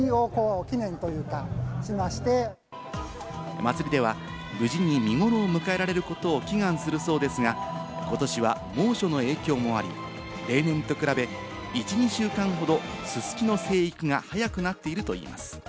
祭りでは無事に見頃を迎えられることを祈願するそうですが、ことしは猛暑の影響もあり、例年と比べ、１２週間ほどススキの生育が早くなっているといいます。